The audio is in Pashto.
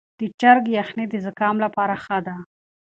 د چرګ یخني د زکام لپاره ښه ده.